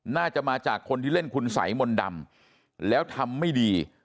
น่าจะมาจากคนที่เล่นคุณสัยมนต์ดำแล้วทำไม่ดี